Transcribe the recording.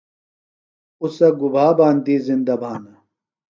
اُڅہ گُبھا باندیۡ زِندہ بھانہ؟